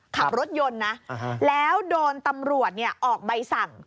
ขับรถยนต์นะแล้วโดนตำรวจออกใบสั่ง